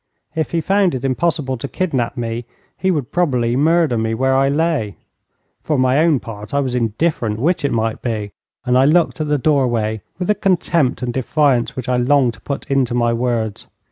If he found it impossible to kidnap me, he would probably murder me where I lay. For my own part, I was indifferent which it might be, and I looked at the doorway with the contempt and defiance which I longed to put into words.